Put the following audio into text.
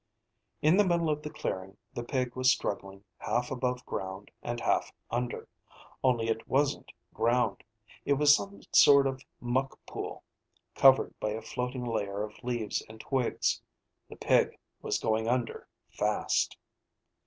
In the middle of the clearing, the pig was struggling half above ground and half under. Only it wasn't ground. It was some sort of muckpool covered by a floating layer of leaves and twigs. The pig was going under fast.